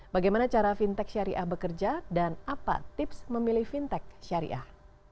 bagaimana cara fintech syariah bekerja dan apa tips memilih fintech syariah